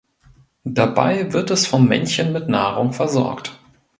Dabei wird es vom Männchen mit Nahrung versorgt.